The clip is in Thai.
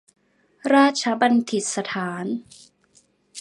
ราชบัญฑิตยสถาน